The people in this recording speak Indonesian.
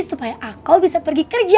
supaya aku bisa pergi kerja